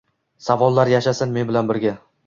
Savollar yashasin men bilan birga.